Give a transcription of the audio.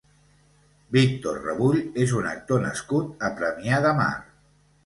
Víctor Rebull és un actor nascut a Premià de Mar.